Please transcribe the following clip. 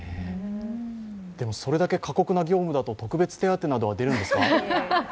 でもそれだけ過酷な業務だと特別手当なんかは出るんですか？